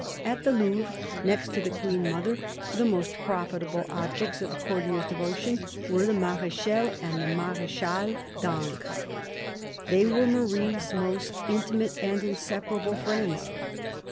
At the Louvre, next to the Queen Mother, the most profitable objects of a courtier's devotion were the Marechal and the Marechale d'Ancre. They were Marie's most intimate and inseparable friends.